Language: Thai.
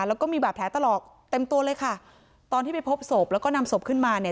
แล้วก็มีบาดแผลตลอดเต็มตัวเลยค่ะตอนที่ไปพบศพแล้วก็นำศพขึ้นมาเนี่ย